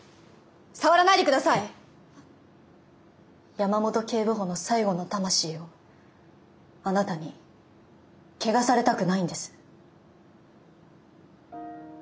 山本警部補の最後の魂をあなたに汚されたくないんです。